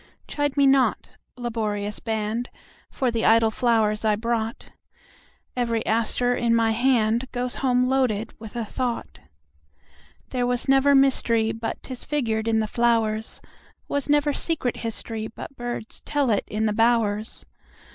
Chide me not, laborious band, For the idle flowers I brought; Every aster in my handGoes home loaded with a thought. There was never mysteryBut 'tis figured in the flowers; SWas never secret historyBut birds tell it in the bowers.